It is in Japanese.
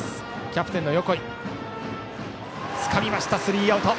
キャプテンの横井、つかみましたスリーアウト。